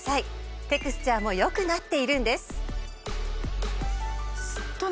テクスチャーも良くなっているんです。